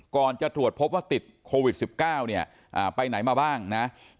ก่อนจะถูกพบว่าติดโควิด๑๙ไปไหนมาบ้างนะ